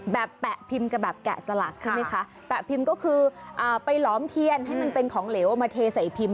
แปะพิมพ์กันแบบแกะสลักใช่ไหมคะแปะพิมพ์ก็คืออ่าไปหลอมเทียนให้มันเป็นของเหลวมาเทใส่พิมพ์